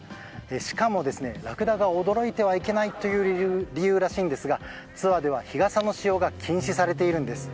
しかも、ラクダが驚いてはいけないという理由らしいんですがツアーでは日傘の使用が禁止されているんです。